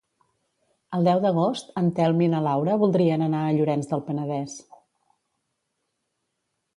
El deu d'agost en Telm i na Laura voldrien anar a Llorenç del Penedès.